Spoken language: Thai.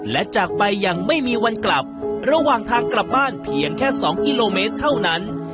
และจากไปอย่างไม่มีวันกลับระหว่างทางกลับบ้านเพียงแค่๒กิโลเมตรเท่านั้น